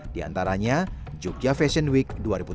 di antaranya jogja fashion week dua ribu tujuh belas